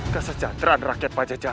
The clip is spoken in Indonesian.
kesejahteraan rakyat pajajara